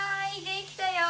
できたよ。